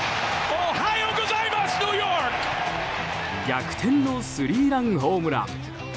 逆転のスリーランホームラン！